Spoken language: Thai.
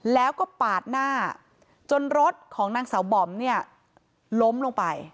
แล้วก็ปาดหน้าจนรถของนางสาวบอมเนี่ยล้มลงไป